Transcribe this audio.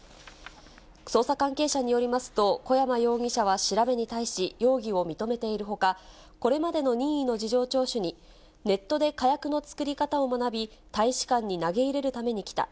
捜査関係者によりますと、小山容疑者は調べに対し、容疑を認めているほか、これまでの任意の事情聴取に、ネットで火薬の作り方を学び、大使館に投げ入れるために来た。